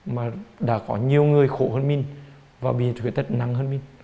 mà đã có nhiều người khổ hơn mình và bị khuyết tật nặng hơn mình